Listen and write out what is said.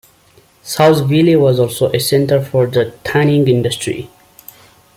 Southville was also a centre for the tanning industry.